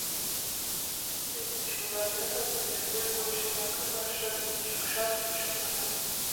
Кидысе изи чемодан ден кынервуй гоч сакыме шем пинчакшат ошемыныт.